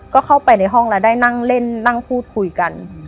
ก็เข้าไปในห้องแล้วได้นั่งเล่นนั่งพูดคุยกัน